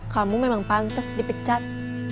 kamu memang pantas dipecat